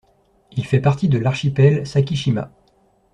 Il fait partie de l'archipel Sakishima.